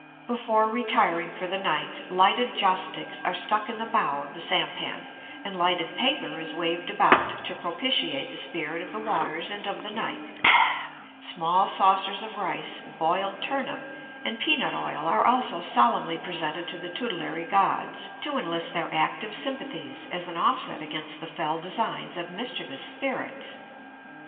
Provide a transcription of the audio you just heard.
Before retiring for the night lighted joss sticks are stuck in the bow of the sampan, and lighted paper is waved about to propitiate the spirit of the waters and of the night; small saucers of rice, boiled turnip, and peanut oil are also solemnly presented to the tutelary gods, to enlist their active sympathies as an offset against the fell designs of mischievous spirits.